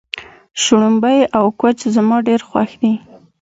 شړومبی او کوچ زما ډېر خوښ دي.